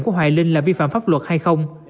của hoài linh là vi phạm pháp luật hay không